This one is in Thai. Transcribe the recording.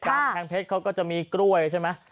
กำแพงเพชรเขาก็จะมีกล้วยใช่ไหม